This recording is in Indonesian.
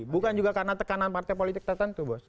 bukan juga karena tekanan partai politik tertentu bos